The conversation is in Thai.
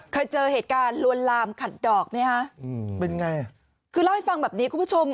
เคยเจอเหตุการณ์ลวนลามขัดดอกไหมฮะอืมเป็นไงคือเล่าให้ฟังแบบนี้คุณผู้ชม